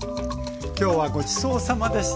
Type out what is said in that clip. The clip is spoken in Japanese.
今日はごちそうさまでした。